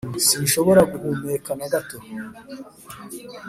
sinshobora guhumeka nagato